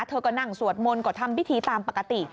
เธอก็นั่งสวดมนต์ก็ทำพิธีตามปกติ